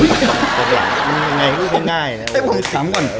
มันยังไงพูดง่าย